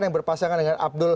yang berpasangan dengan abdul